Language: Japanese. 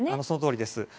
そのとおりです。